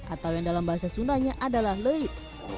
atau yang dalam bahasa sundanya adalah leid